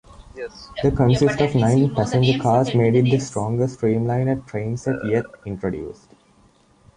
The consist of nine passenger cars made it the longest streamliner trainset yet introduced.